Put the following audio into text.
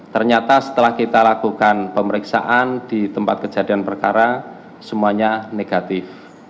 ternyata setelah kita lakukan pemeriksaan di tempat kejadian perkara semuanya negatif